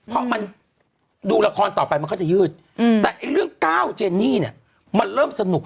เพราะมันดูละครต่อไปมันก็จะยืดแต่เรื่องก้าวเจนี่เนี่ยมันเริ่มสนุก